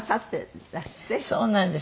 そうなんです。